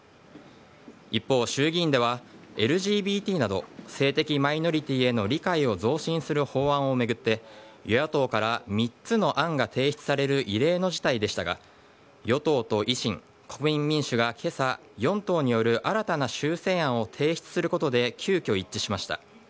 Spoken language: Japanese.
一方、衆議院ではＬＧＢＴなど性的マイノリティーへの理解を増進する法案を巡って与野党から３つの案が提出される異例の事態でしたが与党と維新、国民民主が今朝４党による新たな修正案を提出することで急きょ、一致しました。